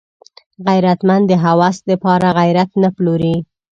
غیرتمند د هوس د پاره غیرت نه پلوري